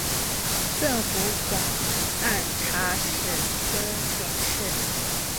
赠湖广按察使司佥事。